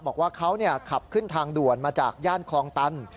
บอกว่าเขาขับขึ้นทางด่วนมาจากย่านคลองตัน